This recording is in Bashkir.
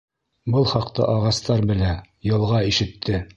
Был хаҡта ағастар белә, йылға ишетте.